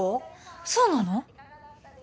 そうなの？